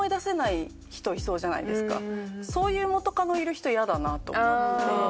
そういう元カノいる人嫌だなと思って。